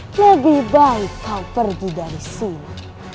lebih baik kau pergi dari sini